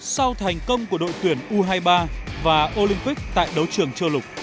sau thành công của đội tuyển u hai mươi ba và olympic tại đấu trường châu lục